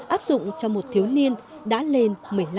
áp dụng cho một thiếu niên đã lên một mươi năm